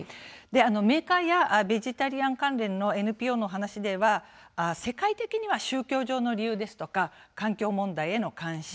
メーカーやベジタリアン関連のＮＰＯの話では世界的には宗教上の理由ですとか環境問題への関心